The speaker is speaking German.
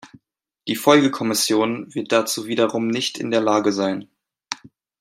Die Folgekommission wird dazu wiederum nicht in der Lage sein.